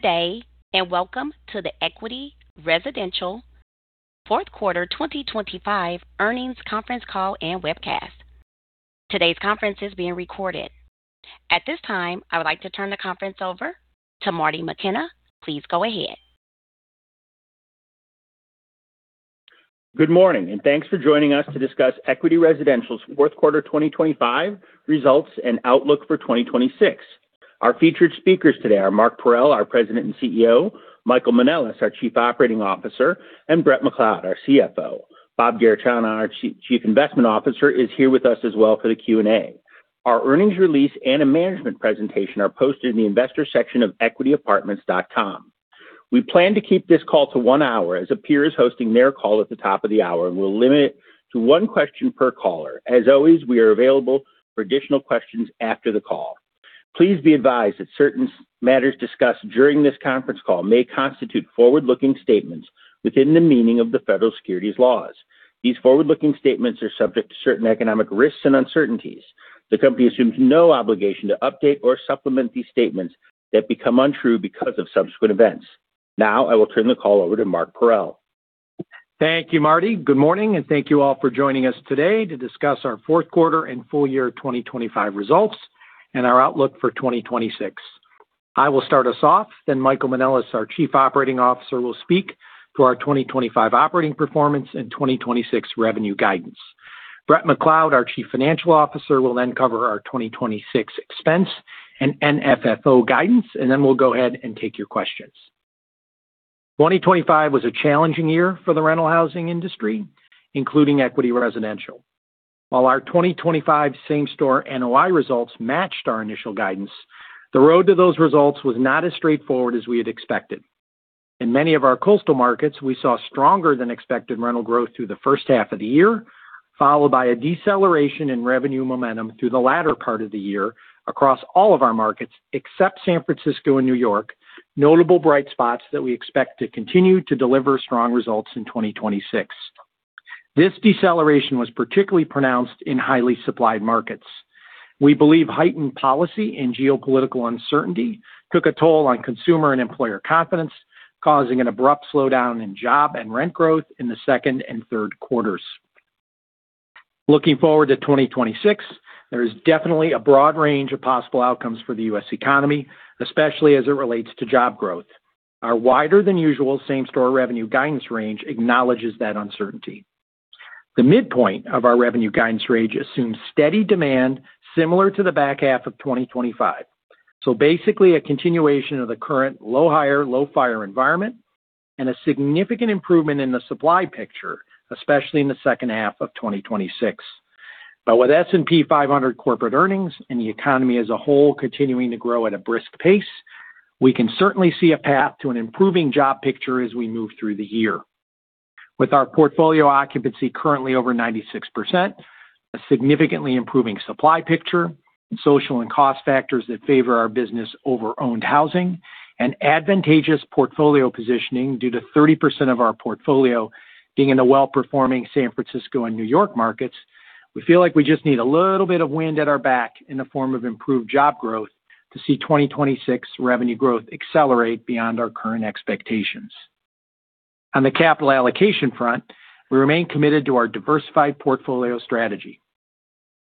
Good day and welcome to the Equity Residential 4th Quarter 2025 earnings conference call and webcast. Today's conference is being recorded. At this time, I would like to turn the conference over to Marty McKenna. Please go ahead. Good morning, and thanks for joining us to discuss Equity Residential's 4th Quarter 2025 results and outlook for 2026. Our featured speakers today are Mark Parrell, our President and CEO, Michael Manelis, our Chief Operating Officer, and Bret McLeod, our CFO. Bob Garechana, our Chief Investment Officer, is here with us as well for the Q&A. Our earnings release and a management presentation are posted in the investor section of equityapartments.com. We plan to keep this call to one hour as a peer is hosting their call at the top of the hour, and we'll limit it to one question per caller. As always, we are available for additional questions after the call. Please be advised that certain matters discussed during this conference call may constitute forward-looking statements within the meaning of the federal securities laws. These forward-looking statements are subject to certain economic risks and uncertainties. The company assumes no obligation to update or supplement these statements that become untrue because of subsequent events. Now I will turn the call over to Mark Parrell. Thank you, Marty. Good morning, and thank you all for joining us today to discuss our 4th Quarter and full year 2025 results and our outlook for 2026. I will start us off, then Michael Manelis, our Chief Operating Officer, will speak to our 2025 operating performance and 2026 revenue guidance. Bret McLeod, our Chief Financial Officer, will then cover our 2026 expense and NFFO guidance, and then we'll go ahead and take your questions. 2025 was a challenging year for the rental housing industry, including Equity Residential. While our 2025 Same Store NOI results matched our initial guidance, the road to those results was not as straightforward as we had expected. In many of our coastal markets, we saw stronger-than-expected rental growth through the first half of the year, followed by a deceleration in revenue momentum through the latter part of the year across all of our markets except San Francisco and New York, notable bright spots that we expect to continue to deliver strong results in 2026. This deceleration was particularly pronounced in highly supplied markets. We believe heightened policy and geopolitical uncertainty took a toll on consumer and employer confidence, causing an abrupt slowdown in job and rent growth in the second and third quarters. Looking forward to 2026, there is definitely a broad range of possible outcomes for the U.S. economy, especially as it relates to job growth. Our wider-than-usual Same Store revenue guidance range acknowledges that uncertainty. The midpoint of our revenue guidance range assumes steady demand similar to the back half of 2025, so basically a continuation of the current low-hire, low-fire environment and a significant improvement in the supply picture, especially in the second half of 2026. But with S&P 500 corporate earnings and the economy as a whole continuing to grow at a brisk pace, we can certainly see a path to an improving job picture as we move through the year. With our portfolio occupancy currently over 96%, a significantly improving supply picture, social and cost factors that favor our business over owned housing, and advantageous portfolio positioning due to 30% of our portfolio being in the well-performing San Francisco and New York markets, we feel like we just need a little bit of wind at our back in the form of improved job growth to see 2026 revenue growth accelerate beyond our current expectations. On the capital allocation front, we remain committed to our diversified portfolio strategy.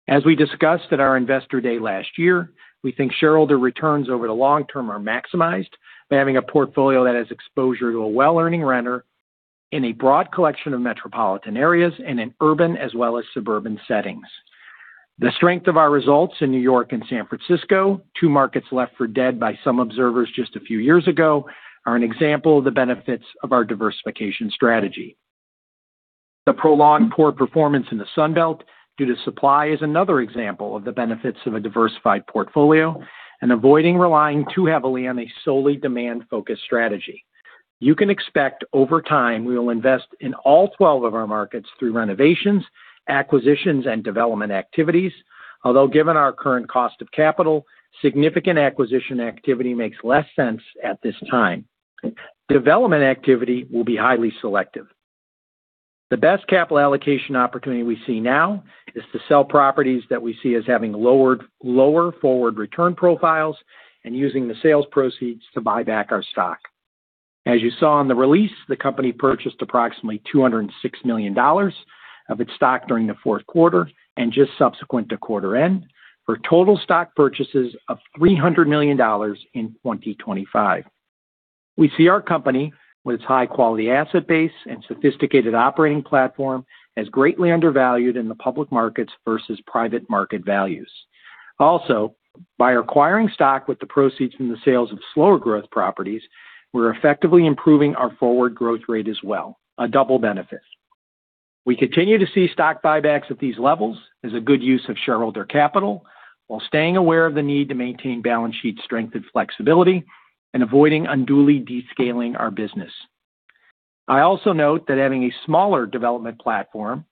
As we discussed at our Investor day last year, we think shareholder returns over the long term are maximized by having a portfolio that has exposure to a well-earning renter in a broad collection of metropolitan areas and in urban as well as suburban settings. The strength of our results in New York and San Francisco, two markets left for dead by some observers just a few years ago, are an example of the benefits of our diversification strategy. The prolonged poor performance in the Sunbelt due to supply is another example of the benefits of a diversified portfolio and avoiding relying too heavily on a solely demand-focused strategy. You can expect over time we will invest in all 12 of our markets through renovations, acquisitions, and development activities, although given our current cost of capital, significant acquisition activity makes less sense at this time. Development activity will be highly selective. The best capital allocation opportunity we see now is to sell properties that we see as having lower forward return profiles and using the sales proceeds to buy back our stock. As you saw in the release, the company purchased approximately $206 million of its stock during the 4th quarter and just subsequent to quarter end for total stock purchases of $300 million in 2025. We see our company with its high-quality asset base and sophisticated operating platform as greatly undervalued in the public markets versus private market values. Also, by acquiring stock with the proceeds from the sales of slower growth properties, we're effectively improving our forward growth rate as well, a double benefit. We continue to see stock buybacks at these levels as a good use of shareholder capital while staying aware of the need to maintain balance sheet strength and flexibility and avoiding unduly descaling our business. I also note that having a smaller development platform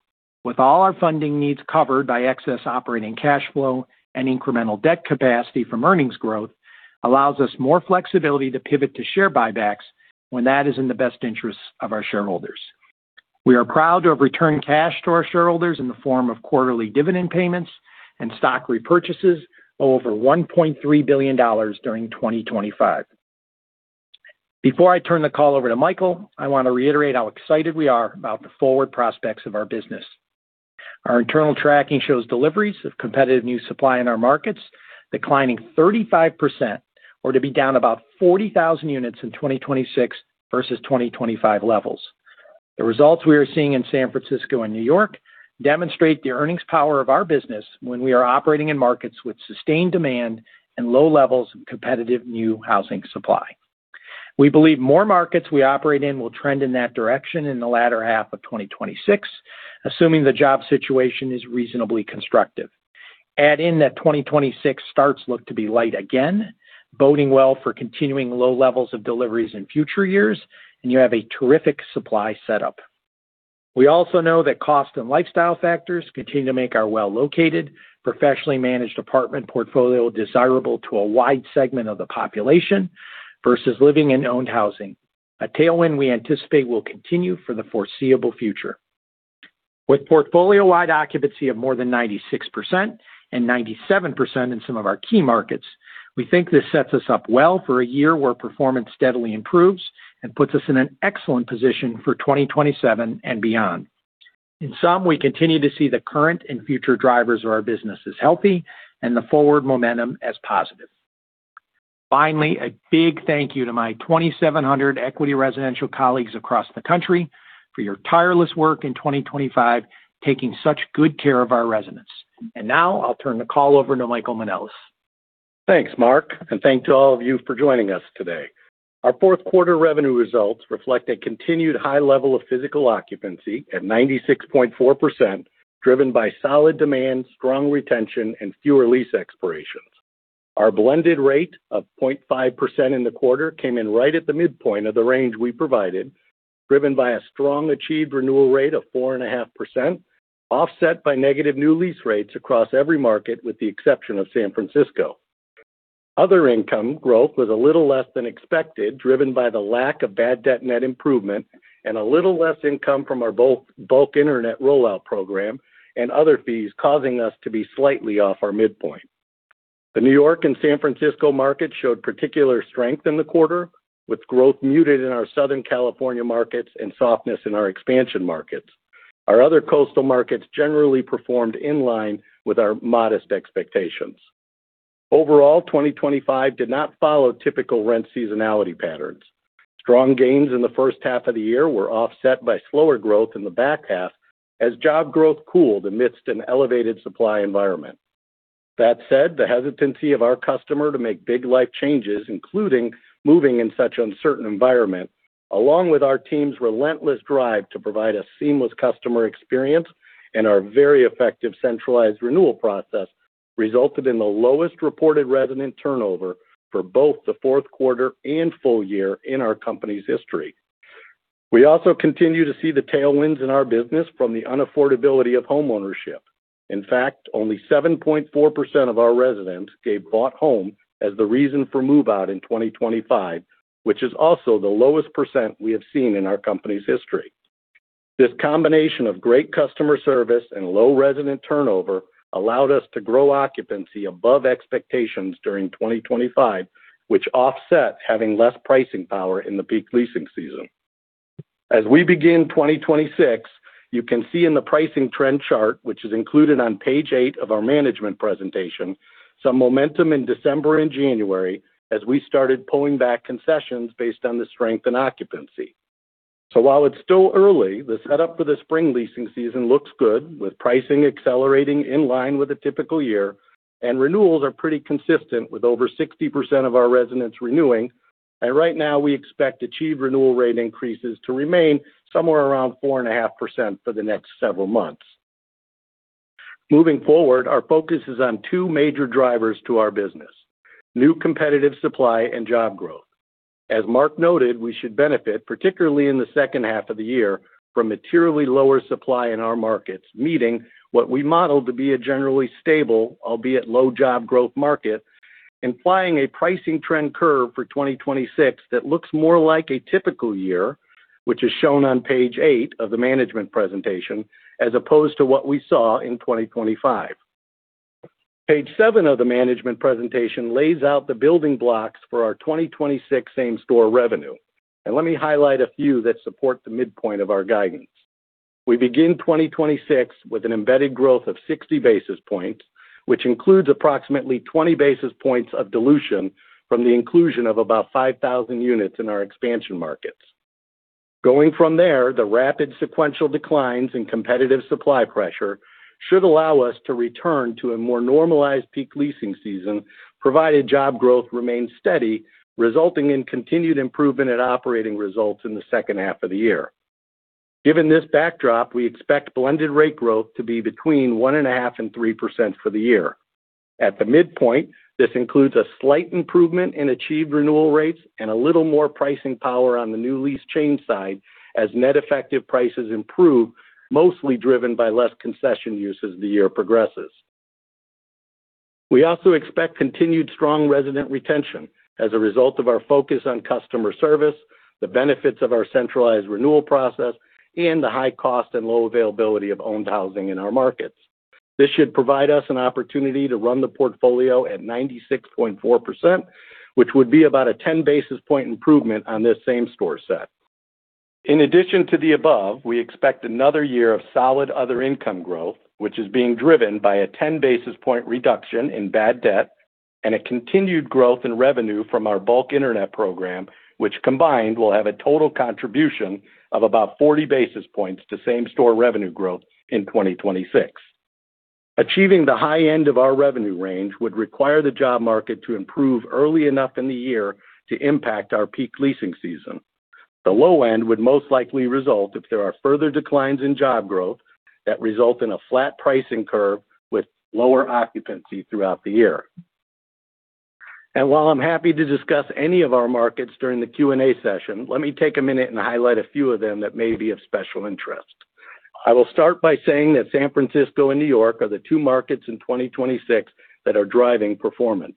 with all our funding needs covered by excess operating cash flow and incremental debt capacity from earnings growth allows us more flexibility to pivot to share buybacks when that is in the best interests of our shareholders. We are proud to have returned cash to our shareholders in the form of quarterly dividend payments and stock repurchases of over $1.3 billion during 2025. Before I turn the call over to Michael, I want to reiterate how excited we are about the forward prospects of our business. Our internal tracking shows deliveries of competitive new supply in our markets declining 35% or to be down about 40,000 units in 2026 versus 2025 levels. The results we are seeing in San Francisco and New York demonstrate the earnings power of our business when we are operating in markets with sustained demand and low levels of competitive new housing supply. We believe more markets we operate in will trend in that direction in the latter half of 2026, assuming the job situation is reasonably constructive. Add in that 2026 starts look to be light again, boding well for continuing low levels of deliveries in future years, and you have a terrific supply setup. We also know that cost and lifestyle factors continue to make our well-located, professionally managed apartment portfolio desirable to a wide segment of the population versus living in owned housing, a tailwind we anticipate will continue for the foreseeable future. With portfolio-wide occupancy of more than 96% and 97% in some of our key markets, we think this sets us up well for a year where performance steadily improves and puts us in an excellent position for 2027 and beyond. In sum, we continue to see the current and future drivers of our business as healthy and the forward momentum as positive. Finally, a big thank you to my 2,700 Equity Residential colleagues across the country for your tireless work in 2025 taking such good care of our residents. Now I'll turn the call over to Michael Manelis. Thanks, Mark, and thank you all of you for joining us today. Our 4th Quarter revenue results reflect a continued high level of physical occupancy at 96.4% driven by solid demand, strong retention, and fewer lease expirations. Our blended rate of 0.5% in the quarter came in right at the midpoint of the range we provided, driven by a strong achieved renewal rate of 4.5% offset by negative new lease rates across every market with the exception of San Francisco. Other income growth was a little less than expected driven by the lack of bad debt net improvement and a little less income from our bulk internet rollout program and other fees causing us to be slightly off our midpoint. The New York and San Francisco markets showed particular strength in the quarter with growth muted in our Southern California markets and softness in our expansion markets. Our other coastal markets generally performed in line with our modest expectations. Overall, 2025 did not follow typical rent seasonality patterns. Strong gains in the first half of the year were offset by slower growth in the back half as job growth cooled amidst an elevated supply environment. That said, the hesitancy of our customers to make big life changes, including moving in such an uncertain environment, along with our team's relentless drive to provide a seamless customer experience and our very effective centralized renewal process resulted in the lowest reported resident turnover for both the 4th Quarter and full year in our company's history. We also continue to see the tailwinds in our business from the unaffordability of homeownership. In fact, only 7.4% of our residents gave buying a home as the reason for move-out in 2025, which is also the lowest percent we have seen in our company's history. This combination of great customer service and low resident turnover allowed us to grow occupancy above expectations during 2025, which offset having less pricing power in the peak leasing season. As we begin 2026, you can see in the pricing trend chart, which is included on page 8 of our management presentation, some momentum in December and January as we started pulling back concessions based on the strength and occupancy. So while it's still early, the setup for the spring leasing season looks good with pricing accelerating in line with a typical year, and renewals are pretty consistent with over 60% of our residents renewing. And right now, we expect achieved renewal rate increases to remain somewhere around 4.5% for the next several months. Moving forward, our focus is on two major drivers to our business: new competitive supply and job growth. As Mark noted, we should benefit, particularly in the second half of the year, from materially lower supply in our markets, meeting what we model to be a generally stable, albeit low job growth market, implying a pricing trend curve for 2026 that looks more like a typical year, which is shown on page 8 of the management presentation as opposed to what we saw in 2025. Page 7 of the management presentation lays out the building blocks for our 2026 Same Store revenue. And let me highlight a few that support the midpoint of our guidance. We begin 2026 with an embedded growth of 60 basis points, which includes approximately 20 basis points of dilution from the inclusion of about 5,000 units in our expansion markets. Going from there, the rapid sequential declines in competitive supply pressure should allow us to return to a more normalized peak leasing season provided job growth remains steady, resulting in continued improvement at operating results in the second half of the year. Given this backdrop, we expect blended rate growth to be between 1.5% and 3% for the year. At the midpoint, this includes a slight improvement in achieved renewal rates and a little more pricing power on the new lease chain side as net effective prices improve, mostly driven by less concession use as the year progresses. We also expect continued strong resident retention as a result of our focus on customer service, the benefits of our centralized renewal process, and the high cost and low availability of owned housing in our markets. This should provide us an opportunity to run the portfolio at 96.4%, which would be about a 10 basis point improvement on this Same Store set. In addition to the above, we expect another year of solid other income growth, which is being driven by a 10 basis point reduction in bad debt and a continued growth in revenue from our bulk internet program, which combined will have a total contribution of about 40 basis points to Same Store revenue growth in 2026. Achieving the high end of our revenue range would require the job market to improve early enough in the year to impact our peak leasing season. The low end would most likely result if there are further declines in job growth that result in a flat pricing curve with lower occupancy throughout the year. And while I'm happy to discuss any of our markets during the Q&A session, let me take a minute and highlight a few of them that may be of special interest. I will start by saying that San Francisco and New York are the two markets in 2026 that are driving performance.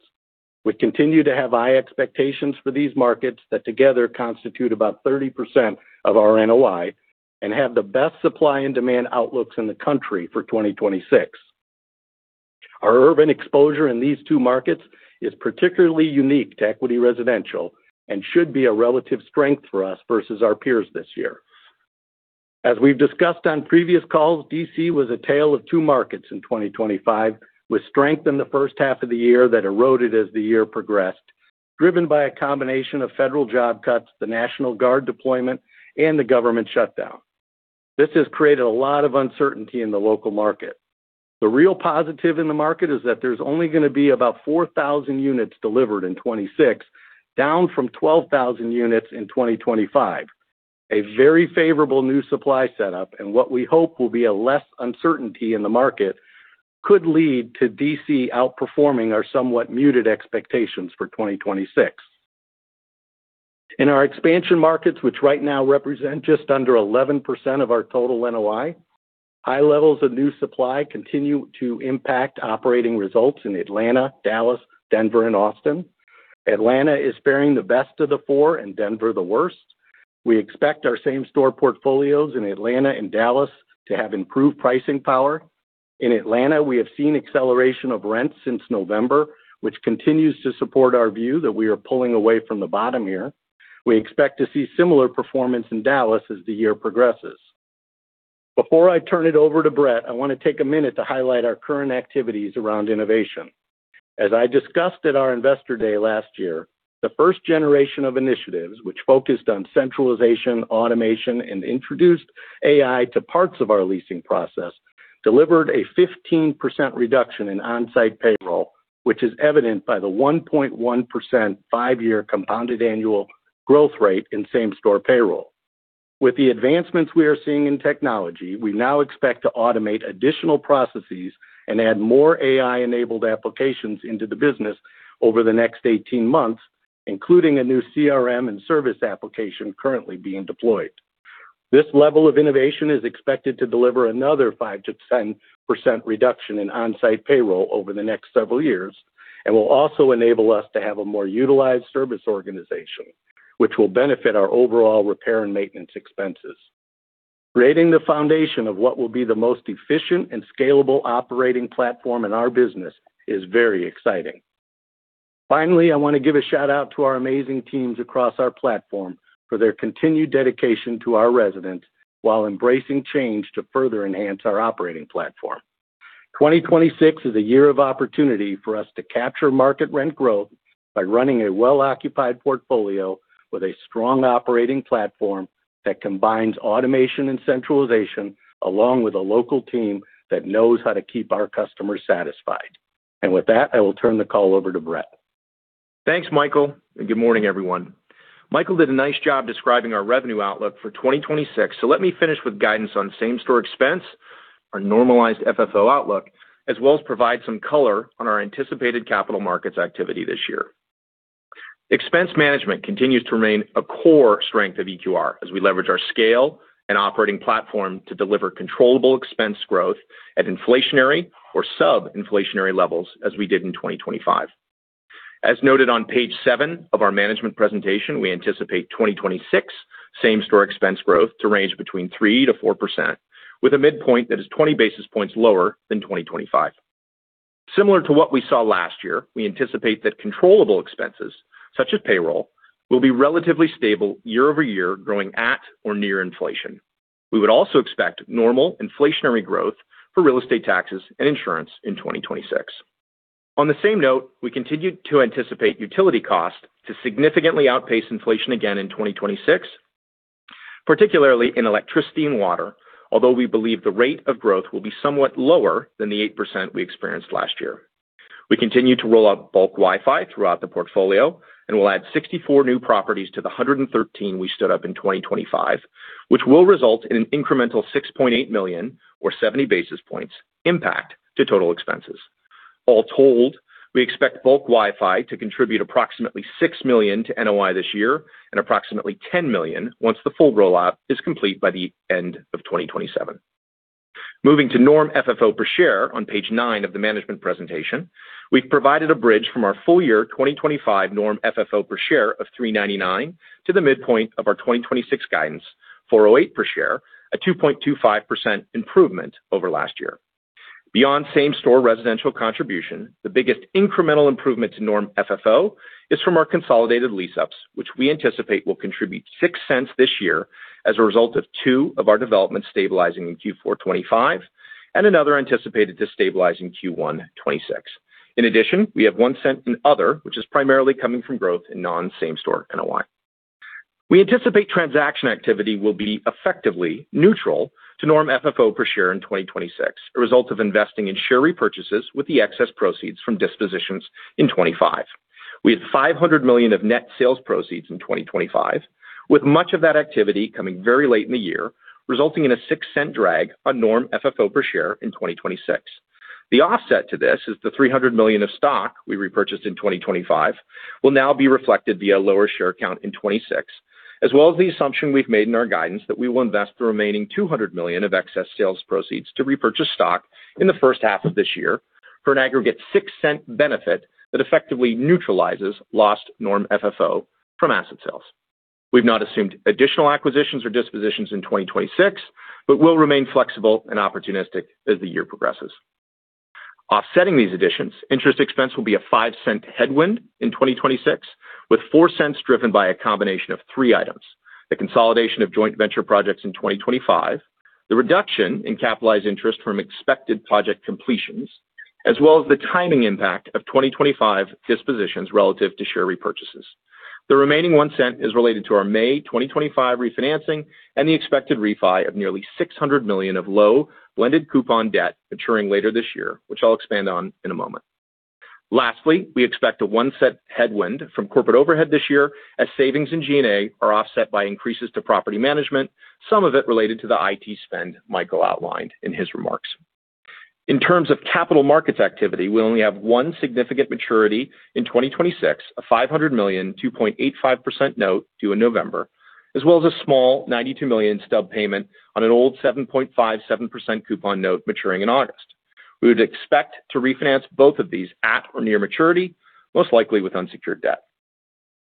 We continue to have high expectations for these markets that together constitute about 30% of our NOI and have the best supply and demand outlooks in the country for 2026. Our urban exposure in these two markets is particularly unique to Equity Residential and should be a relative strength for us versus our peers this year. As we've discussed on previous calls, D.C. was a tale of two markets in 2025 with strength in the first half of the year that eroded as the year progressed, driven by a combination of federal job cuts, the National Guard deployment, and the government shutdown. This has created a lot of uncertainty in the local market. The real positive in the market is that there's only going to be about 4,000 units delivered in 2026, down from 12,000 units in 2025. A very favorable new supply setup and what we hope will be a less uncertainty in the market could lead to D.C. outperforming our somewhat muted expectations for 2026. In our expansion markets, which right now represent just under 11% of our total NOI, high levels of new supply continue to impact operating results in Atlanta, Dallas, Denver, and Austin. Atlanta is faring the best of the four and Denver the worst. We expect our Same Store portfolios in Atlanta and Dallas to have improved pricing power. In Atlanta, we have seen acceleration of rents since November, which continues to support our view that we are pulling away from the bottom here. We expect to see similar performance in Dallas as the year progresses. Before I turn it over to Bret, I want to take a minute to highlight our current activities around innovation. As I discussed at our Investor Day last year, the first generation of initiatives, which focused on centralization, automation, and introduced AI to parts of our leasing process, delivered a 15% reduction in on-site payroll, which is evident by the 1.1% five-year compounded annual growth rate in Same Store payroll. With the advancements we are seeing in technology, we now expect to automate additional processes and add more AI-enabled applications into the business over the next 18 months, including a new CRM and service application currently being deployed. This level of innovation is expected to deliver another 5%-10% reduction in on-site payroll over the next several years and will also enable us to have a more utilized service organization, which will benefit our overall repair and maintenance expenses. Creating the foundation of what will be the most efficient and scalable operating platform in our business is very exciting. Finally, I want to give a shout-out to our amazing teams across our platform for their continued dedication to our residents while embracing change to further enhance our operating platform. 2026 is a year of opportunity for us to capture market rent growth by running a well-occupied portfolio with a strong operating platform that combines automation and centralization along with a local team that knows how to keep our customers satisfied. With that, I will turn the call over to Bret. Thanks, Michael, and good morning, everyone. Michael did a nice job describing our revenue outlook for 2026. Let me finish with guidance on Same Store expense, our Normalized FFO outlook, as well as provide some color on our anticipated capital markets activity this year. Expense management continues to remain a core strength of EQR as we leverage our scale and operating platform to deliver controllable expense growth at inflationary or sub-inflationary levels as we did in 2025. As noted on page 7 of our management presentation, we anticipate 2026 Same Store expense growth to range between 3%-4%, with a midpoint that is 20 basis points lower than 2025. Similar to what we saw last year, we anticipate that controllable expenses, such as payroll, will be relatively stable year-over-year, growing at or near inflation. We would also expect normal inflationary growth for real estate taxes and insurance in 2026. On the same note, we continue to anticipate utility costs to significantly outpace inflation again in 2026, particularly in electricity and water, although we believe the rate of growth will be somewhat lower than the 8% we experienced last year. We continue to roll out bulk Wi-Fi throughout the portfolio and will add 64 new properties to the 113 we stood up in 2025, which will result in an incremental $6.8 million or 70 basis points impact to total expenses. All told, we expect bulk Wi-Fi to contribute approximately $6 million to NOI this year and approximately $10 million once the full rollout is complete by the end of 2027. Moving to norm FFO per share on page 9 of the management presentation, we've provided a bridge from our full year 2025 norm FFO per share of $3.99 to the midpoint of our 2026 guidance, $4.08 per share, a 2.25% improvement over last year. Beyond Same Store residential contribution, the biggest incremental improvement to norm FFO is from our consolidated lease-ups, which we anticipate will contribute $0.06 this year as a result of two of our developments stabilizing in Q4 2025 and another anticipated to stabilize in Q1 2026. In addition, we have $0.01 in other, which is primarily coming from growth in non-Same Store NOI. We anticipate transaction activity will be effectively neutral to norm FFO per share in 2026, a result of investing in share repurchases with the excess proceeds from dispositions in 2025. We have $500 million of net sales proceeds in 2025, with much of that activity coming very late in the year, resulting in a $0.06 drag on Normalized FFO per share in 2026. The offset to this is the $300 million of stock we repurchased in 2025 will now be reflected via a lower share count in 2026, as well as the assumption we've made in our guidance that we will invest the remaining $200 million of excess sales proceeds to repurchase stock in the first half of this year for an aggregate $0.06 benefit that effectively neutralizes lost Normalized FFO from asset sales. We've not assumed additional acquisitions or dispositions in 2026, but will remain flexible and opportunistic as the year progresses. Offsetting these additions, interest expense will be a $0.05 headwind in 2026, with $0.04 driven by a combination of three items: the consolidation of joint venture projects in 2025, the reduction in capitalized interest from expected project completions, as well as the timing impact of 2025 dispositions relative to share repurchases. The remaining $0.01 is related to our May 2025 refinancing and the expected refi of nearly $600 million of low blended coupon debt maturing later this year, which I'll expand on in a moment. Lastly, we expect a $0.01 headwind from corporate overhead this year as savings and G&A are offset by increases to property management, some of it related to the IT spend Michael outlined in his remarks. In terms of capital markets activity, we'll only have one significant maturity in 2026, a $500 million 2.85% note due in November, as well as a small $92 million stub payment on an old 7.57% coupon note maturing in August. We would expect to refinance both of these at or near maturity, most likely with unsecured debt.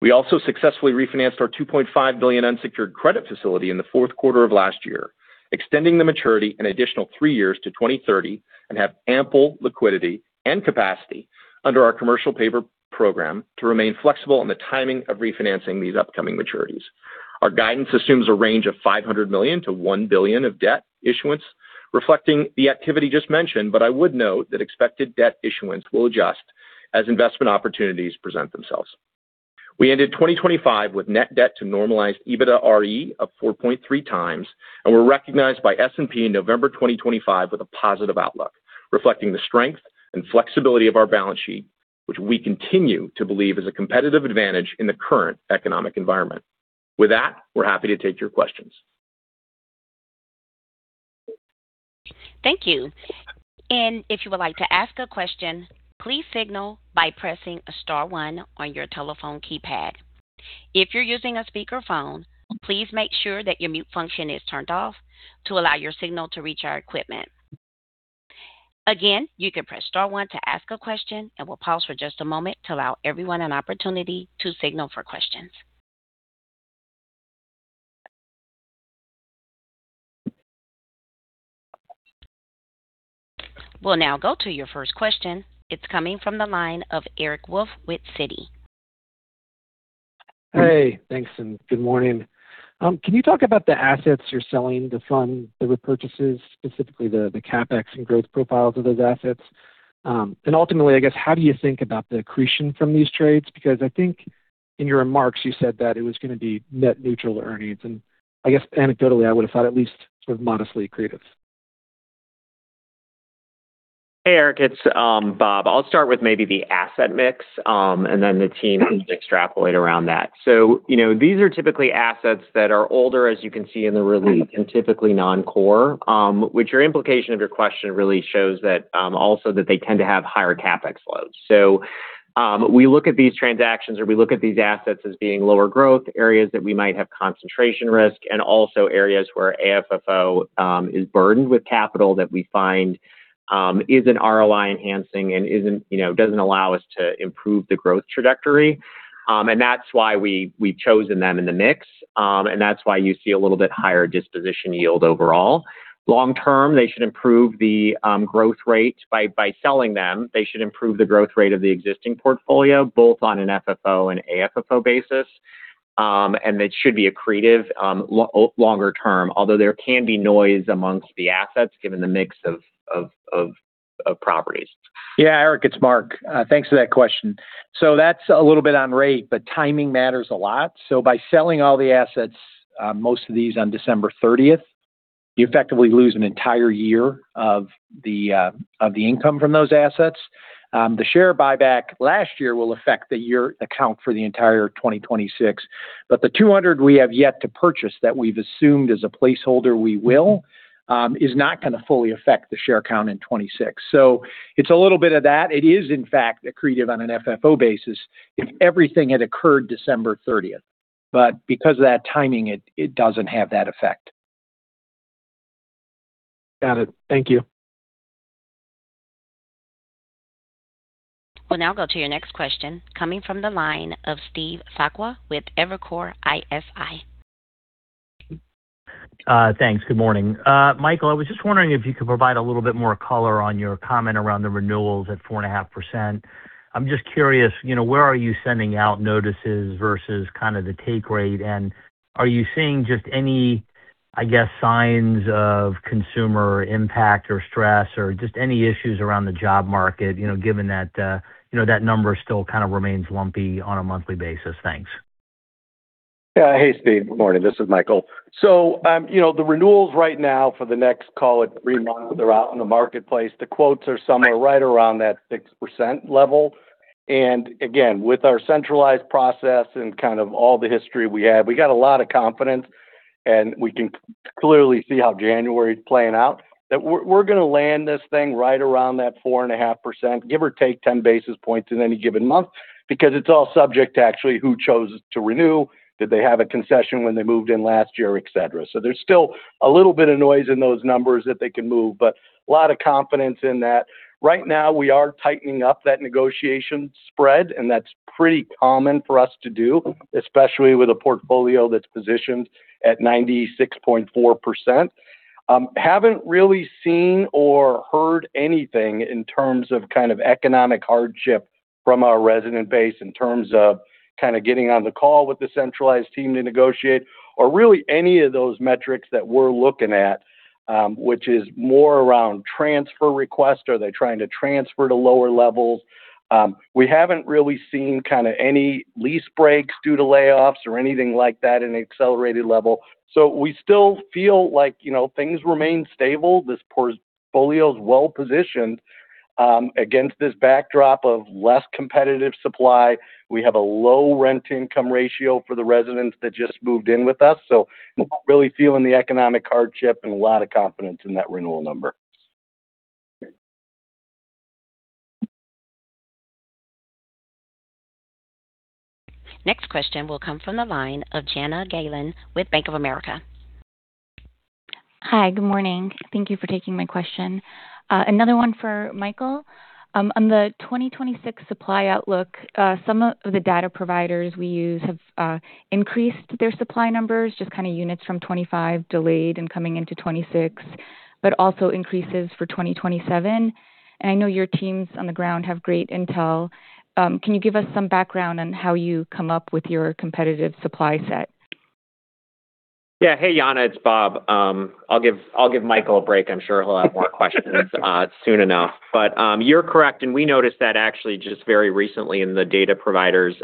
We also successfully refinanced our $2.5 billion unsecured credit facility in the fourth quarter of last year, extending the maturity an additional three years to 2030 and have ample liquidity and capacity under our commercial paper program to remain flexible on the timing of refinancing these upcoming maturities. Our guidance assumes a range of $500 million-$1 billion of debt issuance, reflecting the activity just mentioned, but I would note that expected debt issuance will adjust as investment opportunities present themselves. We ended 2025 with net debt to normalized EBITDAre of 4.3x, and were recognized by S&P in November 2025 with a positive outlook, reflecting the strength and flexibility of our balance sheet, which we continue to believe is a competitive advantage in the current economic environment. With that, we're happy to take your questions. Thank you. If you would like to ask a question, please signal by pressing a star 1 on your telephone keypad. If you're using a speakerphone, please make sure that your mute function is turned off to allow your signal to reach our equipment. Again, you can press star 1 to ask a question, and we'll pause for just a moment to allow everyone an opportunity to signal for questions. We'll now go to your first question. It's coming from the line of Eric Wolfe with Citi. Hey, thanks, and good morning. Can you talk about the assets you're selling, the fund that repurchases, specifically the CapEx and growth profiles of those assets? Ultimately, I guess, how do you think about the accretion from these trades? Because I think in your remarks, you said that it was going to be net neutral earnings. I guess anecdotally, I would have thought at least sort of modestly accretive. Hey, Eric. It's Bob. I'll start with maybe the asset mix and then the team can extrapolate around that. So these are typically assets that are older, as you can see in the release, and typically non-core, which your implication of your question really shows also that they tend to have higher CapEx loads. So we look at these transactions or we look at these assets as being lower growth areas that we might have concentration risk and also areas where AFFO is burdened with capital that we find isn't ROI-enhancing and doesn't allow us to improve the growth trajectory. And that's why we've chosen them in the mix, and that's why you see a little bit higher disposition yield overall. Long-term, they should improve the growth rate by selling them. They should improve the growth rate of the existing portfolio, both on an FFO and AFFO basis. It should be accretive longer term, although there can be noise among the assets given the mix of properties. Yeah, Eric, it's Mark. Thanks for that question. So that's a little bit on rate, but timing matters a lot. So by selling all the assets, most of these on December 30th, you effectively lose an entire year of the income from those assets. The share buyback last year will affect the account for the entire 2026. But the $200 we have yet to purchase that we've assumed as a placeholder we will is not going to fully affect the share count in 2026. So it's a little bit of that. It is, in fact, accretive on an FFO basis if everything had occurred December 30th. But because of that timing, it doesn't have that effect. Got it. Thank you. We'll now go to your next question, coming from the line of Steve Sakwa with Evercore ISI. Thanks. Good morning. Michael, I was just wondering if you could provide a little bit more color on your comment around the renewals at 4.5%. I'm just curious, where are you sending out notices versus kind of the take rate? And are you seeing just any, I guess, signs of consumer impact or stress or just any issues around the job market given that that number still kind of remains lumpy on a monthly basis? Thanks. Yeah, hey, Steve. Good morning. This is Michael. So the renewals right now for the next, call it, 3 months that they're out in the marketplace, the quotes are somewhere right around that 6% level. And again, with our centralized process and kind of all the history we have, we got a lot of confidence, and we can clearly see how January is playing out, that we're going to land this thing right around that 4.5%, give or take 10 basis points in any given month because it's all subject to actually who chose to renew, did they have a concession when they moved in last year, etc. So there's still a little bit of noise in those numbers that they can move, but a lot of confidence in that. Right now, we are tightening up that negotiation spread, and that's pretty common for us to do, especially with a portfolio that's positioned at 96.4%. Haven't really seen or heard anything in terms of kind of economic hardship from our resident base in terms of kind of getting on the call with the centralized team to negotiate or really any of those metrics that we're looking at, which is more around transfer request. Are they trying to transfer to lower levels? We haven't really seen kind of any lease breaks due to layoffs or anything like that at an accelerated level. So we still feel like things remain stable. This portfolio is well positioned against this backdrop of less competitive supply. We have a low rent-income ratio for the residents that just moved in with us. We're not really feeling the economic hardship and a lot of confidence in that renewal number. Next question will come from the line of Jana Galan with Bank of America. Hi. Good morning. Thank you for taking my question. Another one for Michael. On the 2026 supply outlook, some of the data providers we use have increased their supply numbers, just kind of units from 2025 delayed and coming into 2026, but also increases for 2027. I know your teams on the ground have great intel. Can you give us some background on how you come up with your competitive supply set? Yeah. Hey, Jana. It's Bob. I'll give Michael a break. I'm sure he'll have more questions soon enough. But you're correct. And we noticed that actually just very recently in the data providers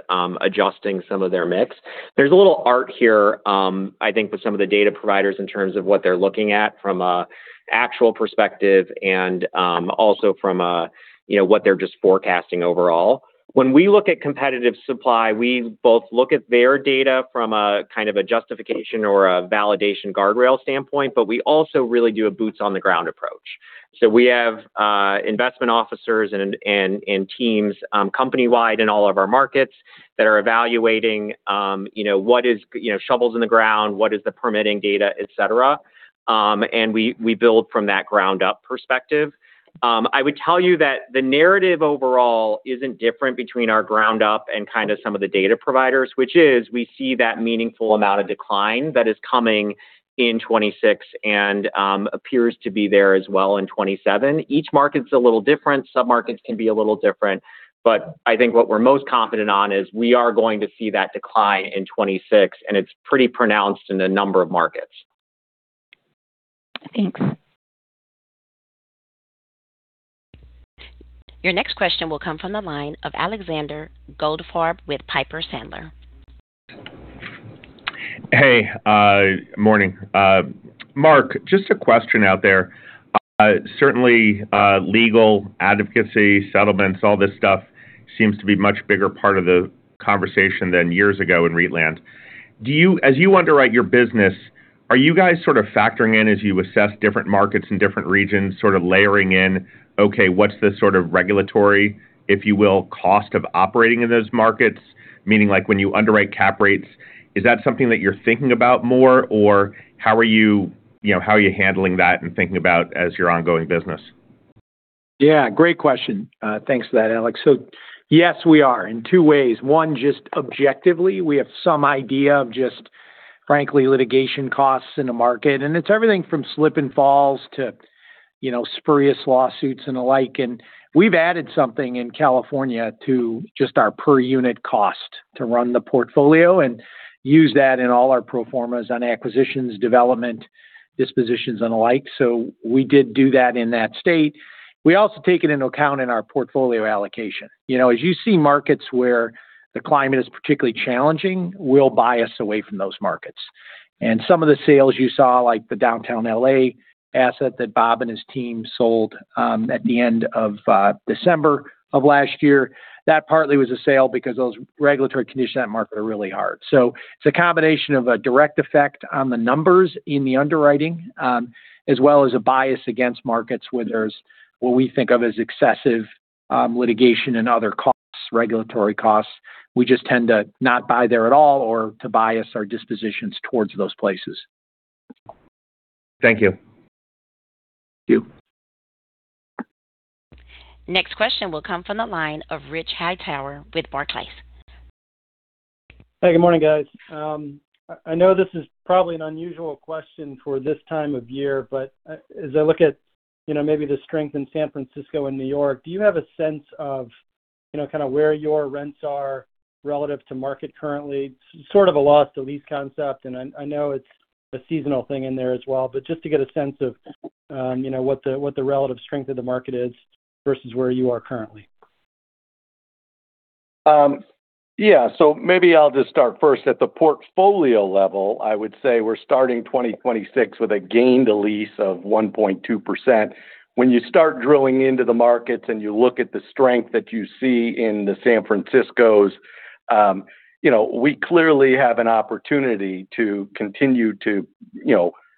adjusting some of their mix. There's a little art here, I think, with some of the data providers in terms of what they're looking at from an actual perspective and also from what they're just forecasting overall. When we look at competitive supply, we both look at their data from a kind of a justification or a validation guardrail standpoint, but we also really do a boots-on-the-ground approach. So we have investment officers and teams company-wide in all of our markets that are evaluating what is shovels in the ground, what is the permitting data, etc. And we build from that ground-up perspective. I would tell you that the narrative overall isn't different between our ground-up and kind of some of the data providers, which is we see that meaningful amount of decline that is coming in 2026 and appears to be there as well in 2027. Each market's a little different. Submarkets can be a little different. But I think what we're most confident on is we are going to see that decline in 2026, and it's pretty pronounced in a number of markets. Thanks. Your next question will come from the line of Alexander Goldfarb with Piper Sandler. Hey. Morning. Mark, just a question out there. Certainly, legal, advocacy, settlements, all this stuff seems to be a much bigger part of the conversation than years ago in Reitland. As you underwrite your business, are you guys sort of factoring in as you assess different markets in different regions, sort of layering in, okay, what's the sort of regulatory, if you will, cost of operating in those markets? Meaning when you underwrite cap rates, is that something that you're thinking about more, or how are you handling that and thinking about as your ongoing business? Yeah. Great question. Thanks for that, Alex. So yes, we are in two ways. One, just objectively, we have some idea of just, frankly, litigation costs in the market. And it's everything from slip and falls to spurious lawsuits and the like. And we've added something in California to just our per-unit cost to run the portfolio and use that in all our proformas on acquisitions, development, dispositions, and the like. So we did do that in that state. We also take it into account in our portfolio allocation. As you see, markets where the climate is particularly challenging, we'll bias away from those markets. And some of the sales you saw, like the downtown L.A. asset that Bob and his team sold at the end of December of last year, that partly was a sale because those regulatory conditions in that market are really hard. It's a combination of a direct effect on the numbers in the underwriting as well as a bias against markets where there's what we think of as excessive litigation and other regulatory costs. We just tend to not buy there at all or to bias our dispositions toward those places. Thank you. Thank you. Next question will come from the line of Rich Hightower with Barclays. Hey. Good morning, guys. I know this is probably an unusual question for this time of year, but as I look at maybe the strength in San Francisco and New York, do you have a sense of kind of where your rents are relative to market currently? Sort of a Loss-to-Lease concept. I know it's a seasonal thing in there as well, but just to get a sense of what the relative strength of the market is versus where you are currently. Yeah. So maybe I'll just start first. At the portfolio level, I would say we're starting 2026 with a gain-to-lease of 1.2%. When you start drilling into the markets and you look at the strength that you see in the San Franciscos, we clearly have an opportunity to continue to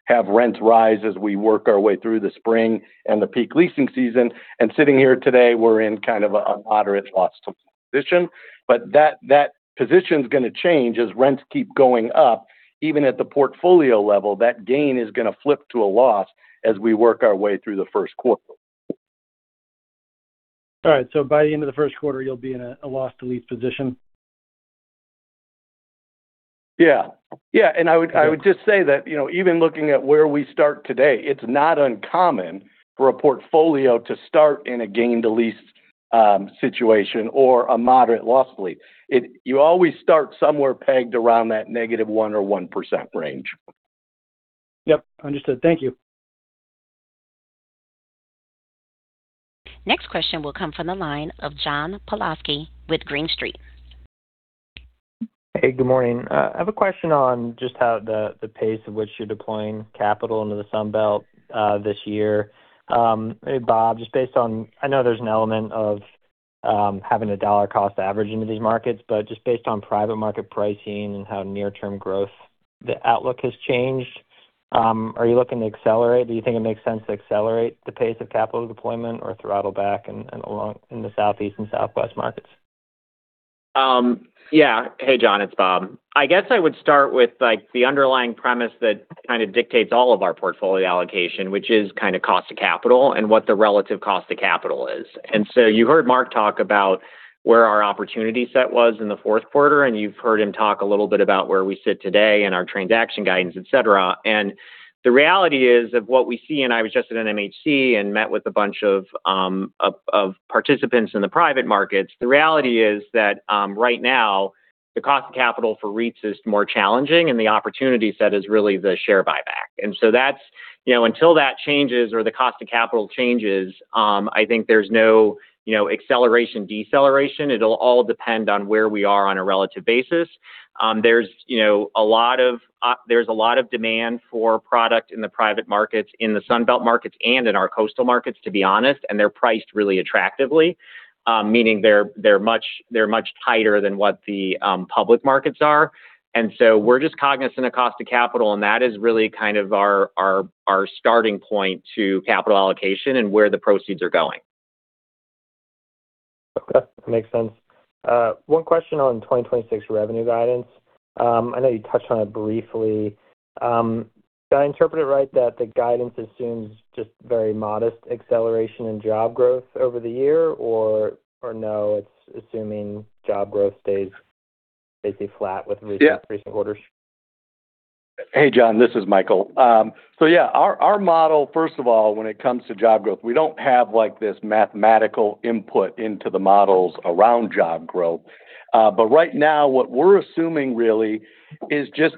have rents rise as we work our way through the spring and the peak leasing season. And sitting here today, we're in kind of a moderate loss-to-lease position. But that position's going to change as rents keep going up. Even at the portfolio level, that gain is going to flip to a loss as we work our way through the first quarter. All right. So by the end of the first quarter, you'll be in a loss-to-lease position? Yeah. Yeah. I would just say that even looking at where we start today, it's not uncommon for a portfolio to start in a gain-to-lease situation or a moderate loss-to-lease. You always start somewhere pegged around that -1% or 1% range. Yep. Understood. Thank you. Next question will come from the line of John Pawlowski with Green Street. Hey. Good morning. I have a question on just how the pace at which you're deploying capital into the Sunbelt this year. Maybe, Bob, just based on I know there's an element of having a dollar-cost average into these markets, but just based on private market pricing and how near-term growth the outlook has changed, are you looking to accelerate? Do you think it makes sense to accelerate the pace of capital deployment or throttle back in the Southeast and Southwest markets? Yeah. Hey, John. It's Bob. I guess I would start with the underlying premise that kind of dictates all of our portfolio allocation, which is kind of cost of capital and what the relative cost of capital is. And so you heard Mark talk about where our opportunity set was in the fourth quarter, and you've heard him talk a little bit about where we sit today and our transaction guidance, etc. And the reality is of what we see and I was just at an NMHC and met with a bunch of participants in the private markets, the reality is that right now, the cost of capital for REITs is more challenging, and the opportunity set is really the share buyback. And so until that changes or the cost of capital changes, I think there's no acceleration-deceleration. It'll all depend on where we are on a relative basis. There's a lot of demand for product in the private markets, in the Sunbelt markets, and in our coastal markets, to be honest. They're priced really attractively, meaning they're much tighter than what the public markets are. We're just cognizant of cost of capital, and that is really kind of our starting point to capital allocation and where the proceeds are going. Okay. That makes sense. One question on 2026 revenue guidance. I know you touched on it briefly. Did I interpret it right that the guidance assumes just very modest acceleration in job growth over the year, or no, it's assuming job growth stays basically flat with recent quarters? Hey, John. This is Michael. So yeah, our model, first of all, when it comes to job growth, we don't have this mathematical input into the models around job growth. But right now, what we're assuming really is just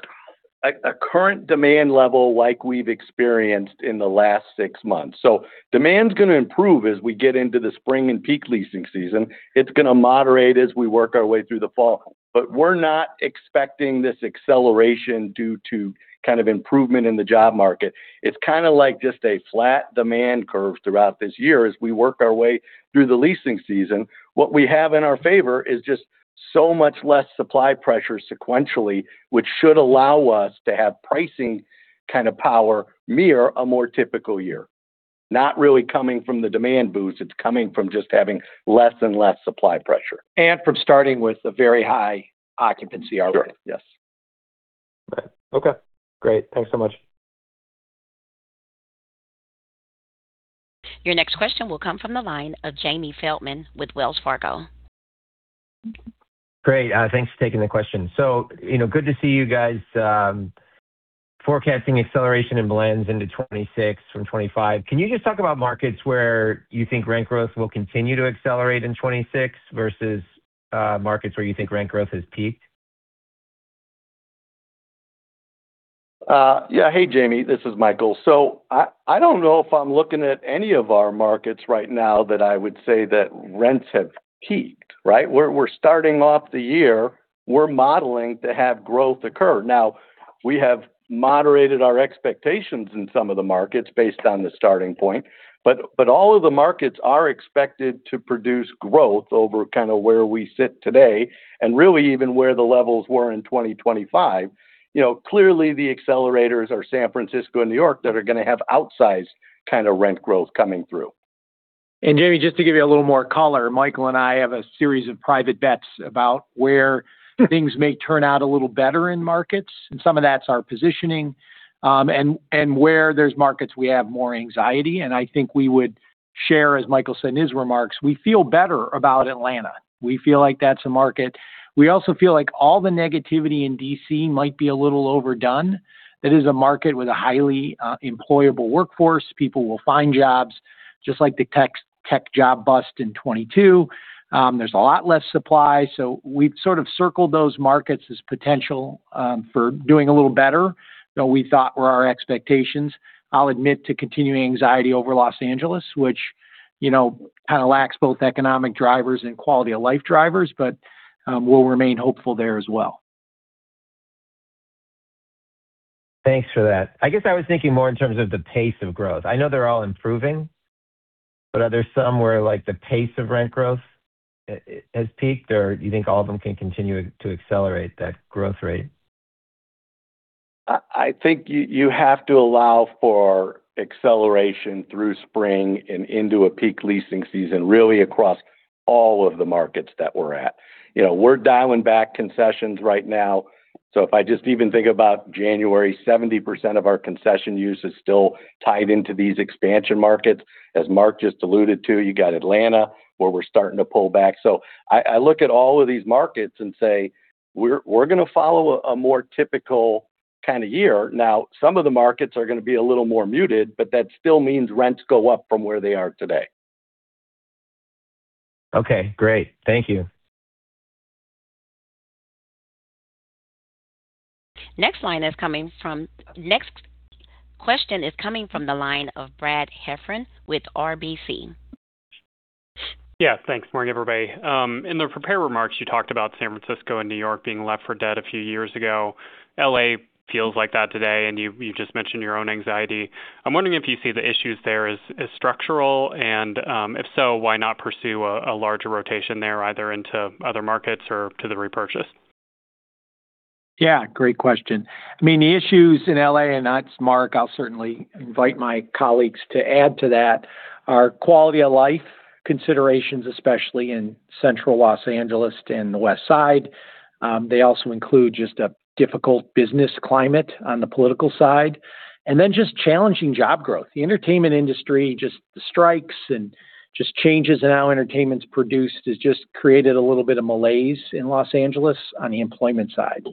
a current demand level like we've experienced in the last six months. So demand's going to improve as we get into the spring and peak leasing season. It's going to moderate as we work our way through the fall. But we're not expecting this acceleration due to kind of improvement in the job market. It's kind of like just a flat demand curve throughout this year as we work our way through the leasing season. What we have in our favor is just so much less supply pressure sequentially, which should allow us to have pricing kind of power near a more typical year. Not really coming from the demand boost. It's coming from just having less and less supply pressure. From starting with a very high occupancy, our way. Yes. Right. Okay. Great. Thanks so much. Your next question will come from the line of Jamie Feldman with Wells Fargo. Great. Thanks for taking the question. So good to see you guys forecasting acceleration and blends into 2026 from 2025. Can you just talk about markets where you think rent growth will continue to accelerate in 2026 versus markets where you think rent growth has peaked? Yeah. Hey, Jamie. This is Michael. So I don't know if I'm looking at any of our markets right now that I would say that rents have peaked, right? We're starting off the year. We're modeling to have growth occur. Now, we have moderated our expectations in some of the markets based on the starting point. But all of the markets are expected to produce growth over kind of where we sit today and really even where the levels were in 2025. Clearly, the accelerators are San Francisco and New York that are going to have outsized kind of rent growth coming through. Jamie, just to give you a little more color, Michael and I have a series of private bets about where things may turn out a little better in markets. And some of that's our positioning and where there's markets we have more anxiety. And I think we would share, as Michael said in his remarks, we feel better about Atlanta. We feel like that's a market. We also feel like all the negativity in D.C. might be a little overdone. That is a market with a highly employable workforce. People will find jobs just like the tech job bust in 2022. There's a lot less supply. So we've sort of circled those markets as potential for doing a little better than we thought were our expectations. I'll admit to continuing anxiety over Los Angeles, which kind of lacks both economic drivers and quality of life drivers, but we'll remain hopeful there as well. Thanks for that. I guess I was thinking more in terms of the pace of growth. I know they're all improving, but are there some where the pace of rent growth has peaked, or do you think all of them can continue to accelerate that growth rate? I think you have to allow for acceleration through spring and into a peak leasing season really across all of the markets that we're at. We're dialing back concessions right now. So if I just even think about January, 70% of our concession use is still tied into these expansion markets. As Mark just alluded to, you got Atlanta where we're starting to pull back. So I look at all of these markets and say we're going to follow a more typical kind of year. Now, some of the markets are going to be a little more muted, but that still means rents go up from where they are today. Okay. Great. Thank you. The next question is coming from the line of Brad Heffern with RBC. Yeah. Thanks. Morning, everybody. In the prepared remarks, you talked about San Francisco and New York being left for dead a few years ago. LA feels like that today, and you just mentioned your own anxiety. I'm wondering if you see the issues there as structural, and if so, why not pursue a larger rotation there either into other markets or to the repurchase? Yeah. Great question. I mean, the issues in L.A. and that's, Mark, I'll certainly invite my colleagues to add to that, are quality of life considerations, especially in central Los Angeles and the West Side. They also include just a difficult business climate on the political side. And then just challenging job growth. The entertainment industry, just the strikes and just changes in how entertainment's produced has just created a little bit of malaise in Los Angeles on the employment side.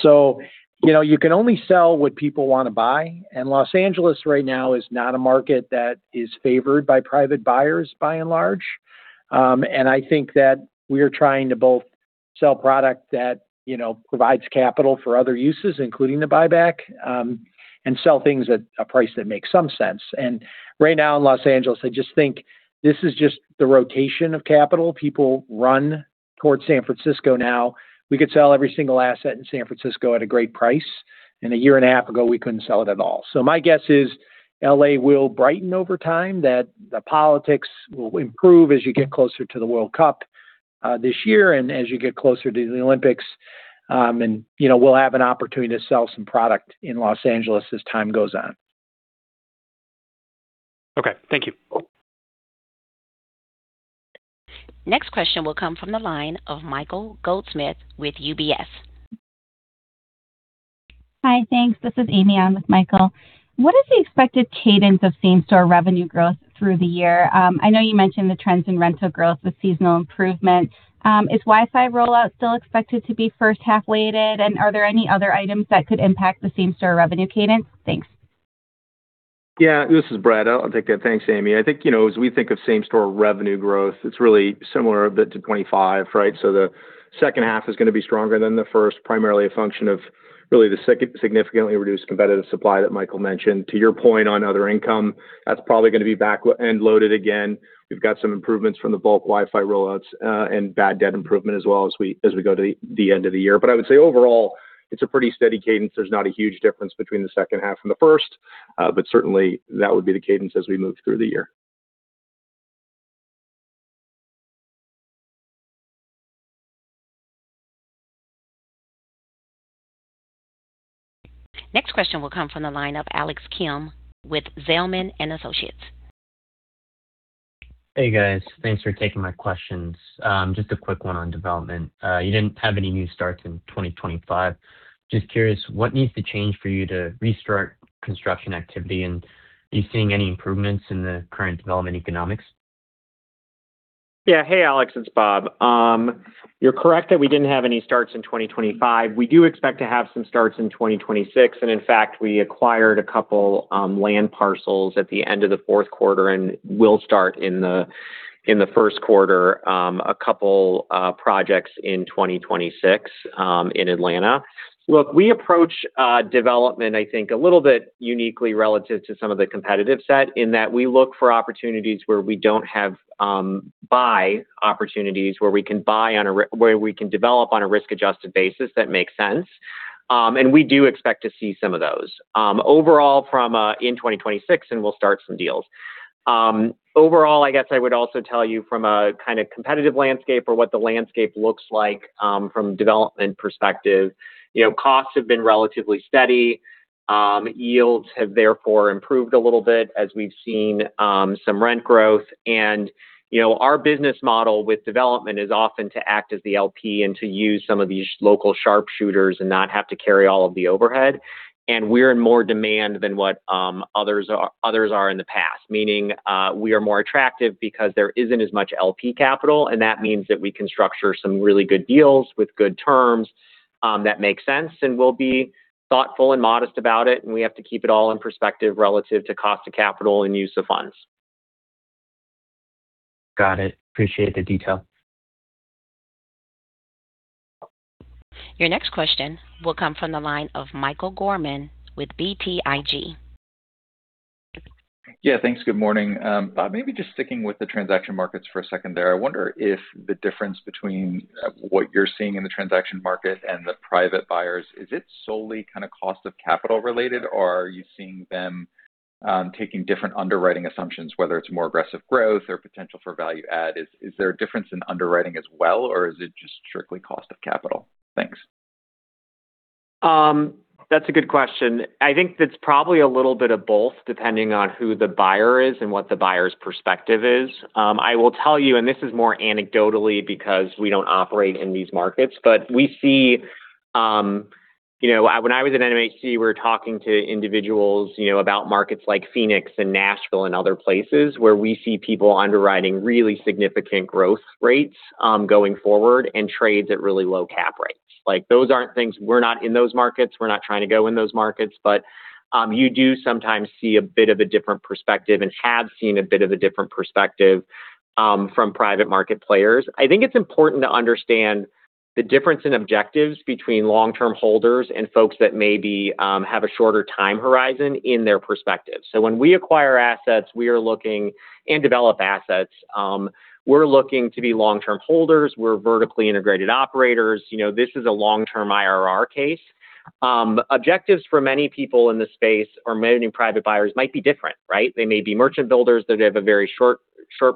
So you can only sell what people want to buy. And Los Angeles right now is not a market that is favored by private buyers, by and large. And I think that we are trying to both sell product that provides capital for other uses, including the buyback, and sell things at a price that makes some sense. Right now in Los Angeles, I just think this is just the rotation of capital. People run towards San Francisco now. We could sell every single asset in San Francisco at a great price. A year and a half ago, we couldn't sell it at all. My guess is L.A. will brighten over time, that the politics will improve as you get closer to the World Cup this year and as you get closer to the Olympics, and we'll have an opportunity to sell some product in Los Angeles as time goes on. Okay. Thank you. Next question will come from the line of Michael Goldsmith with UBS. Hi. Thanks. This is Amy. I'm with Michael. What is the expected cadence of Same Store revenue growth through the year? I know you mentioned the trends in rental growth with seasonal improvement. Is Wi-Fi rollout still expected to be first-half weighted? And are there any other items that could impact the Same Store revenue cadence? Thanks. Yeah. This is Brad. I'll take that. Thanks, Amy. I think as we think of Same Store revenue growth, it's really similar a bit to 2025, right? So the second half is going to be stronger than the first, primarily a function of really the significantly reduced competitive supply that Michael mentioned. To your point on other income, that's probably going to be back and loaded again. We've got some improvements from the bulk Wi-Fi rollouts and bad debt improvement as well as we go to the end of the year. But I would say overall, it's a pretty steady cadence. There's not a huge difference between the second half and the first, but certainly, that would be the cadence as we move through the year. Next question will come from the line of Alex Kalmus with Zelman & Associates. Hey, guys. Thanks for taking my questions. Just a quick one on development. You didn't have any new starts in 2025. Just curious, what needs to change for you to restart construction activity? And are you seeing any improvements in the current development economics? Yeah. Hey, Alex. It's Bob. You're correct that we didn't have any starts in 2025. We do expect to have some starts in 2026. And in fact, we acquired a couple land parcels at the end of the fourth quarter and will start in the first quarter, a couple projects in 2026 in Atlanta. Look, we approach development, I think, a little bit uniquely relative to some of the competitive set in that we look for opportunities where we don't have buy opportunities, where we can develop on a risk-adjusted basis that makes sense. And we do expect to see some of those. Overall, in 2026, and we'll start some deals. Overall, I guess I would also tell you from a kind of competitive landscape or what the landscape looks like from development perspective, costs have been relatively steady. Yields have, therefore, improved a little bit as we've seen some rent growth. Our business model with development is often to act as the LP and to use some of these local sharpshooters and not have to carry all of the overhead. We're in more demand than what others are in the past, meaning we are more attractive because there isn't as much LP capital. That means that we can structure some really good deals with good terms that make sense and will be thoughtful and modest about it. We have to keep it all in perspective relative to cost of capital and use of funds. Got it. Appreciate the detail. Your next question will come from the line of Michael Gorman with BTIG. Yeah. Thanks. Good morning, Bob. Maybe just sticking with the transaction markets for a second there. I wonder if the difference between what you're seeing in the transaction market and the private buyers, is it solely kind of cost of capital related, or are you seeing them taking different underwriting assumptions, whether it's more aggressive growth or potential for value add? Is there a difference in underwriting as well, or is it just strictly cost of capital? Thanks. That's a good question. I think that's probably a little bit of both depending on who the buyer is and what the buyer's perspective is. I will tell you, and this is more anecdotally because we don't operate in these markets, but we see when I was at NMHC, we were talking to individuals about markets like Phoenix and Nashville and other places where we see people underwriting really significant growth rates going forward and trades at really low cap rates. Those aren't things we're not in those markets. We're not trying to go in those markets. But you do sometimes see a bit of a different perspective and have seen a bit of a different perspective from private market players. I think it's important to understand the difference in objectives between long-term holders and folks that maybe have a shorter time horizon in their perspective. So when we acquire assets, we are looking and develop assets. We're looking to be long-term holders. We're vertically integrated operators. This is a long-term IRR case. Objectives for many people in the space or many private buyers might be different, right? They may be merchant builders that have a very short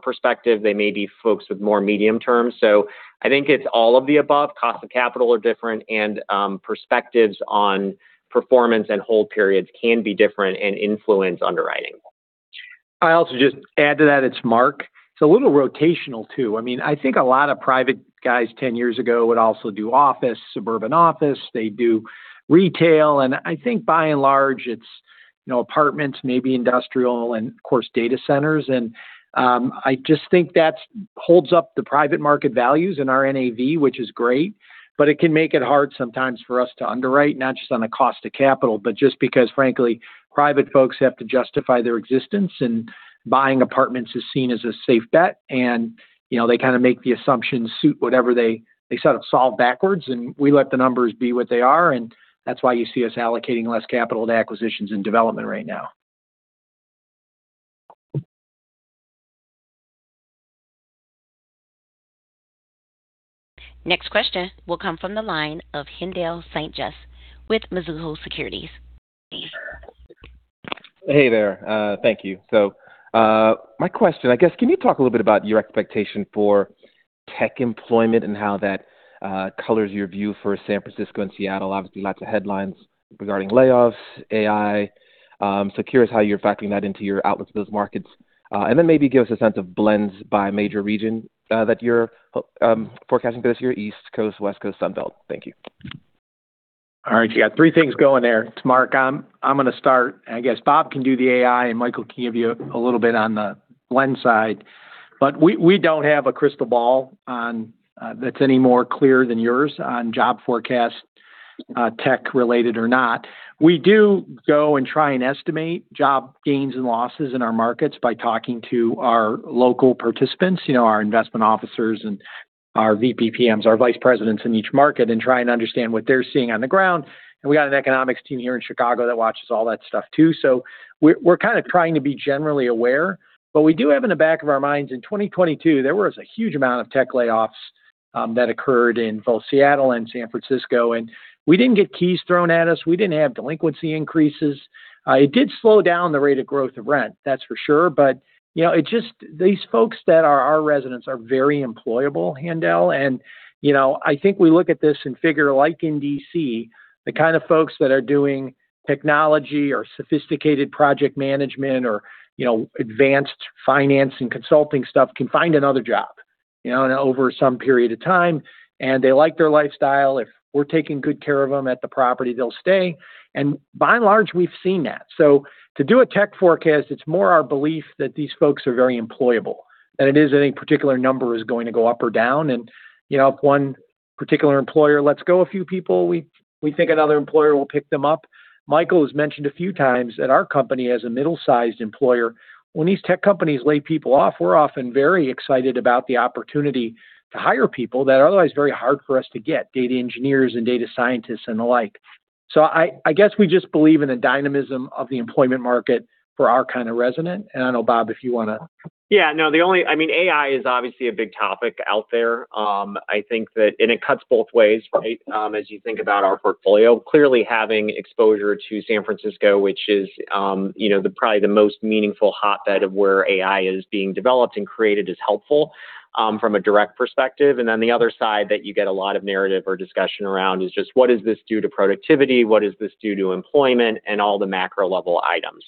perspective. They may be folks with more medium term. So I think it's all of the above. Cost of capital are different, and perspectives on performance and hold periods can be different and influence underwriting. I'll also just add to that. It's Mark. It's a little rotational too. I mean, I think a lot of private guys 10 years ago would also do office, suburban office. They do retail. And I think by and large, it's apartments, maybe industrial, and of course, data centers. And I just think that holds up the private market values and our NAV, which is great. But it can make it hard sometimes for us to underwrite, not just on the cost of capital, but just because, frankly, private folks have to justify their existence. And buying apartments is seen as a safe bet. And they kind of make the assumptions suit whatever they sort of solve backwards. And we let the numbers be what they are. And that's why you see us allocating less capital to acquisitions and development right now. Next question will come from the line of Haendel St. Juste with Mizuho Securities. Hey there. Thank you. So my question, I guess, can you talk a little bit about your expectation for tech employment and how that colors your view for San Francisco and Seattle? Obviously, lots of headlines regarding layoffs, AI. So curious how you're factoring that into your outlook for those markets. And then maybe give us a sense of blends by major region that you're forecasting for this year, East Coast, West Coast, Sunbelt. Thank you. All right. You got three things going there. It's Mark. I'm going to start. I guess Bob can do the AI, and Michael can give you a little bit on the blend side. But we don't have a crystal ball that's any more clear than yours on job forecasts, tech-related or not. We do go and try and estimate job gains and losses in our markets by talking to our local participants, our investment officers, and our VPPMs, our vice presidents in each market, and try and understand what they're seeing on the ground. And we got an economics team here in Chicago that watches all that stuff too. So we're kind of trying to be generally aware. But we do have in the back of our minds, in 2022, there was a huge amount of tech layoffs that occurred in both Seattle and San Francisco. We didn't get keys thrown at us. We didn't have delinquency increases. It did slow down the rate of growth of rent, that's for sure. But these folks that are our residents are very employable, Haendel. I think we look at this and figure, like in D.C., the kind of folks that are doing technology or sophisticated project management or advanced finance and consulting stuff can find another job over some period of time. They like their lifestyle. If we're taking good care of them at the property, they'll stay. By and large, we've seen that. To do a tech forecast, it's more our belief that these folks are very employable, that it isn't any particular number is going to go up or down. If one particular employer lets go a few people, we think another employer will pick them up. Michael has mentioned a few times that our company has a middle-sized employer. When these tech companies lay people off, we're often very excited about the opportunity to hire people that are otherwise very hard for us to get, data engineers and data scientists and the like. So I guess we just believe in the dynamism of the employment market for our kind of resident. I don't know, Bob, if you want to. Yeah. No, the only I mean, AI is obviously a big topic out there, I think, and it cuts both ways, right, as you think about our portfolio. Clearly, having exposure to San Francisco, which is probably the most meaningful hotbed of where AI is being developed and created, is helpful from a direct perspective. And then the other side that you get a lot of narrative or discussion around is just, what does this do to productivity? What does this do to employment and all the macro-level items?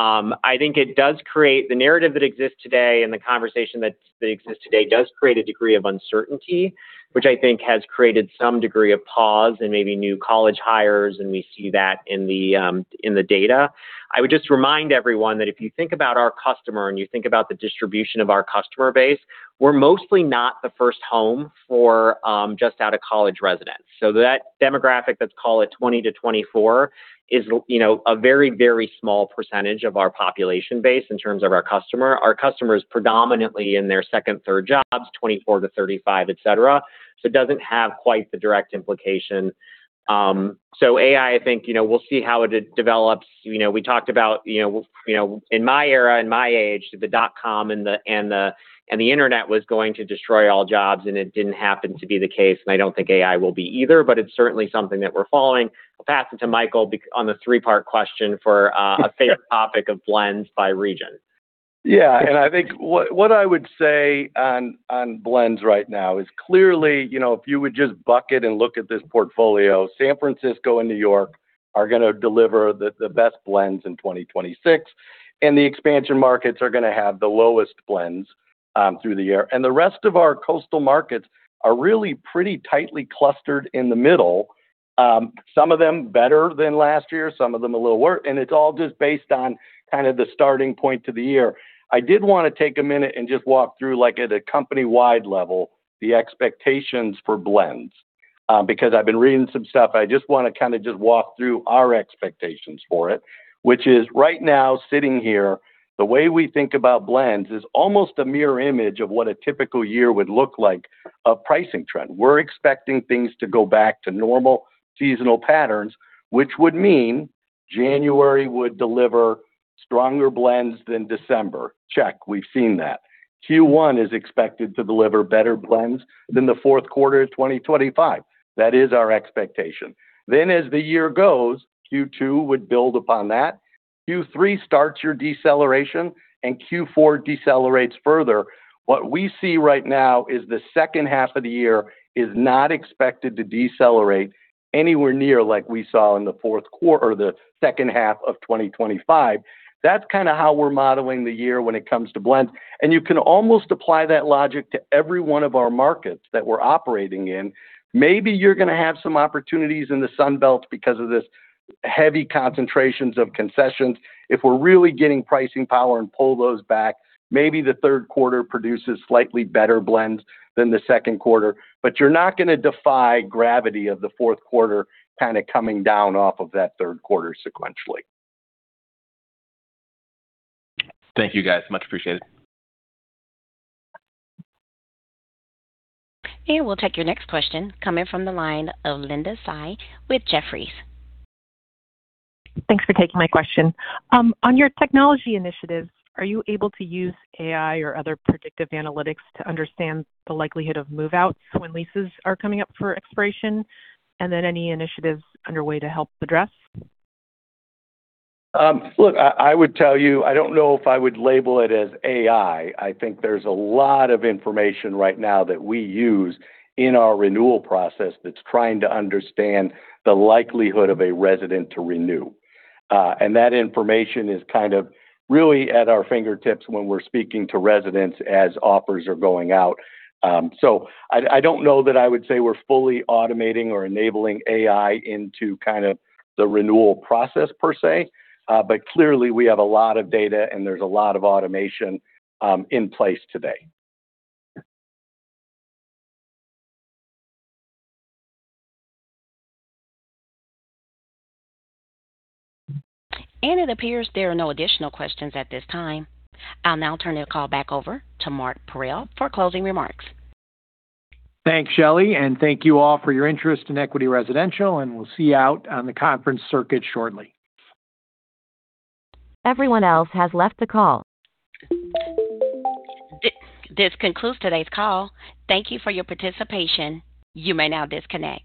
I think it does create the narrative that exists today and the conversation that exists today does create a degree of uncertainty, which I think has created some degree of pause and maybe new college hires. And we see that in the data. I would just remind everyone that if you think about our customer and you think about the distribution of our customer base, we're mostly not the first home for just out-of-college residents. So that demographic that's called at 20-24 is a very, very small percentage of our population base in terms of our customer. Our customer is predominantly in their second, third jobs, 24-35, etc. So it doesn't have quite the direct implication. So AI, I think we'll see how it develops. We talked about in my era, in my age, that the dot-com and the internet was going to destroy all jobs. And it didn't happen to be the case. And I don't think AI will be either. But it's certainly something that we're following. I'll pass it to Michael on the three-part question for a favorite topic of blends by region. Yeah. And I think what I would say on blends right now is clearly, if you would just bucket and look at this portfolio, San Francisco and New York are going to deliver the best blends in 2026. And the expansion markets are going to have the lowest blends through the year. And the rest of our coastal markets are really pretty tightly clustered in the middle, some of them better than last year, some of them a little worse. And it's all just based on kind of the starting point to the year. I did want to take a minute and just walk through, at a company-wide level, the expectations for blends because I've been reading some stuff. I just want to kind of just walk through our expectations for it, which is right now sitting here, the way we think about blends is almost a mirror image of what a typical year would look like of pricing trend. We're expecting things to go back to normal seasonal patterns, which would mean January would deliver stronger blends than December. Check. We've seen that. Q1 is expected to deliver better blends than the fourth quarter of 2025. That is our expectation. Then as the year goes, Q2 would build upon that. Q3 starts your deceleration, and Q4 decelerates further. What we see right now is the second half of the year is not expected to decelerate anywhere near like we saw in the fourth or the second half of 2025. That's kind of how we're modeling the year when it comes to blends. You can almost apply that logic to every one of our markets that we're operating in. Maybe you're going to have some opportunities in the Sunbelt because of these heavy concentrations of concessions. If we're really getting pricing power and pull those back, maybe the third quarter produces slightly better blends than the second quarter. You're not going to defy gravity of the fourth quarter kind of coming down off of that third quarter sequentially. Thank you, guys. Much appreciated. We'll take your next question coming from the line of Linda Tsai with Jefferies. Thanks for taking my question. On your technology initiatives, are you able to use AI or other predictive analytics to understand the likelihood of move-outs when leases are coming up for expiration and then any initiatives underway to help address? Look, I would tell you, I don't know if I would label it as AI. I think there's a lot of information right now that we use in our renewal process that's trying to understand the likelihood of a resident to renew. And that information is kind of really at our fingertips when we're speaking to residents as offers are going out. So I don't know that I would say we're fully automating or enabling AI into kind of the renewal process per se. But clearly, we have a lot of data, and there's a lot of automation in place today. It appears there are no additional questions at this time. I'll now turn the call back over to Mark Parrell for closing remarks. Thanks, Shelly. Thank you all for your interest in Equity Residential. We'll see you out on the conference circuit shortly. Everyone else has left the call. This concludes today's call. Thank you for your participation. You may now disconnect.